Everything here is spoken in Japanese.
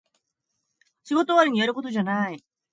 仕事終わりにやることじゃない